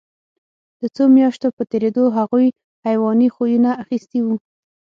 د څو میاشتو په تېرېدو هغوی حیواني خویونه اخیستي وو